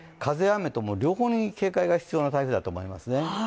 ・雨ともに両方に警戒が必要な台風だと思いますね。